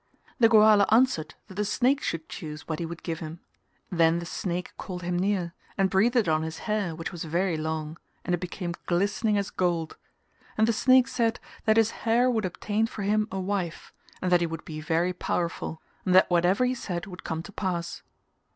The Goala answered that the snake should choose what he would give him; then the snake called him near, and breathed on his hair which was very long and it became glistening as gold, and the snake said that his hair would obtain for him a wife and that he would be very powerful; and that whatever he said would come to pass.